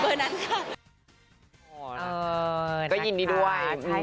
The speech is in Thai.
หนูก็เล่าเรื่องของหนูให้ฟัง